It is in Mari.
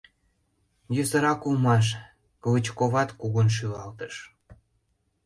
— Йӧсырак улмаш, — Клычковат кугун шӱлалтыш.